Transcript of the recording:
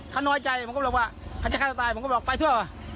เขาน้อยใจผมก็เลยบอกว่าเขาจะฆ่าตัวตายผมก็บอกไปทั่ว